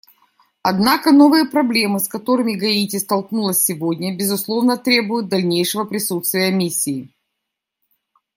Однако новые проблемы, с которыми Гаити столкнулась сегодня, безусловно, требуют дальнейшего присутствия Миссии.